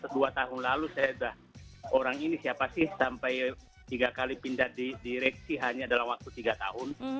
dua tahun lalu saya sudah orang ini siapa sih sampai tiga kali pindah di direksi hanya dalam waktu tiga tahun